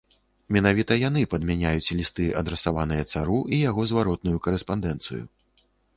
Менавіта яны падмяняюць лісты, адрасаваныя цару, і яго зваротную карэспандэнцыю.